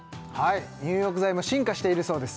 入浴剤も進化しているそうです